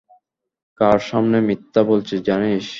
কার সামনে মিথ্যা বলছিস জানিস?